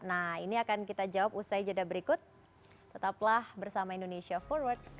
dan ini juga pastinya yang ditunggu tunggu hadiahnya ini apa ya pak